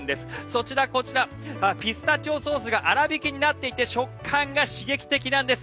そちら、こちらピスタチオソースが粗びきになっていて食感が刺激的なんです。